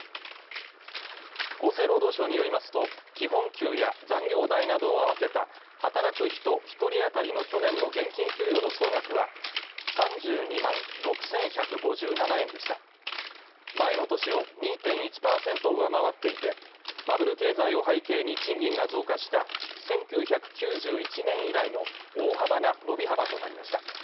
厚生労働省によりますと基本給や残業代などを合わせた働く人一人あたりの去年の現金給与の総額は３２万６１５７円でした前の年を２．１％を上回っていてバブル経済を背景に賃金が増加した１９９１年以来の大幅な伸び幅となりました